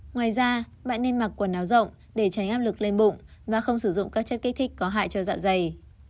ngoài ra bạn nên mặc quần áo rộng để tránh áp lực lên bụng và không sử dụng các chất kích thích có hại cho dạ dày